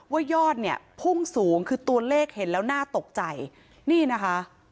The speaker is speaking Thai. ยอดเนี่ยพุ่งสูงคือตัวเลขเห็นแล้วน่าตกใจนี่นะคะ